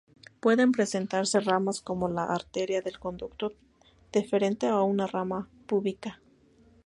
Pueden presentar ramas como la arteria del conducto deferente o una rama púbica.